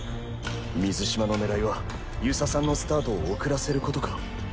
水嶋の狙いは遊佐さんのスタートを遅らせることか。